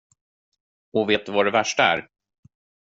Och vet du vad det värsta är?